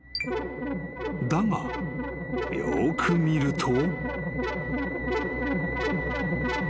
［だがよく見ると］